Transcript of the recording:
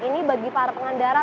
ini bagi para pengendara